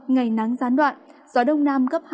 ngày nắng gián đoạn gió đông nam cấp hai